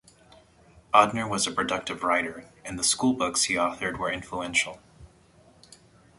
Odhner was a productive writer, and the schoolbooks he authored were influential.